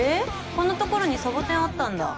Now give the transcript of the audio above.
こんな所にサボテンあったんだ。